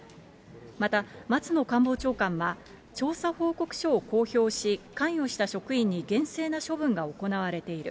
また、松野官房長官は、調査報告書を公表し、関与した職員に厳正な処分が行われている。